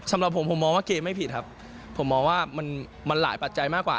สำหรับผมผมมองว่าเกมไม่ผิดครับผมมองว่ามันหลายปัจจัยมากกว่า